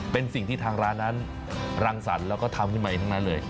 เป็นสิ่งที่ทางร้านนั้นรังสรรค์แล้วก็ทำขึ้นมาเองทั้งนั้นเลย